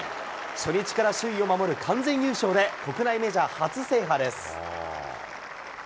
初日から首位を守る完全優勝で、国内メジャー初制覇です。